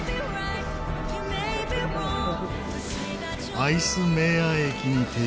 アイスメーア駅に停車。